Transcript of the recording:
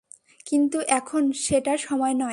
কিন্তু এখন সেটার সময় নয়।